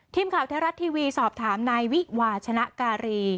ทีมข่าวไทยรัฐทีวีสอบถามนายวิวาชนะการี